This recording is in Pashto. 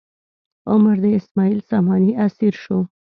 عمر د اسماعیل ساماني اسیر شو.